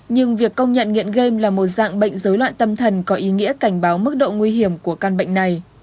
nhưng việc công nhận nghiện game là một dạng bệnh dối loạn tâm thần có ý nghĩa cảnh báo mức độ nguy hiểm của căn bệnh này